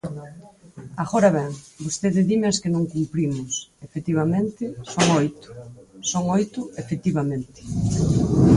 Agora ben, vostede dime as que non cumprimos, efectivamente, son oito; son oito, efectivamente.